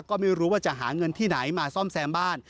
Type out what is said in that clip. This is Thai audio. ก็ไม่รู้ว่าจะหาเงินที่ไหนมาซ่อมแซมบ้าน